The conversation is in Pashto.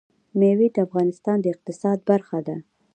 مېوې د افغانستان د اقتصاد برخه ده.